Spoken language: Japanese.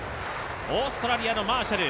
オーストラリアのマーシャル